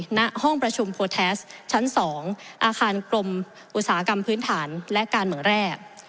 ณห้องประชุมโพแทสชั้น๒อาคารกรมอุตสาหกรรมพื้นฐานและการเมืองแรก